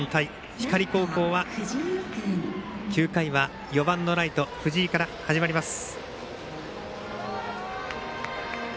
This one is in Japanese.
光高校は９回は４番のライト藤井から始まります。